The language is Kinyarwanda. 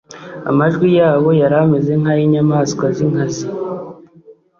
amajwi yabo yari ameze nk’ay’inyamaswa z’inkazi